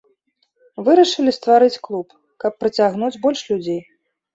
Вырашылі стварыць клуб, каб прыцягнуць больш людзей.